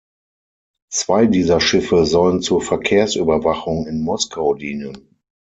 Zwei dieser Schiffe sollen zur Verkehrsüberwachung in Moskau dienen.